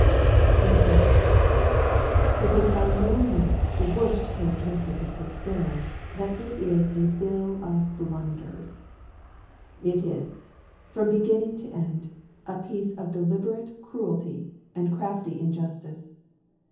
In the first place, it is by no means the worst characteristic of this bill, that it is a bill of blunders: it is, from beginning to end, a piece of deliberate cruelty, and crafty injustice.